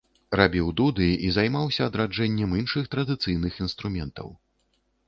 Рабіў дуды і займаўся адраджэннем іншых традыцыйных інструментаў.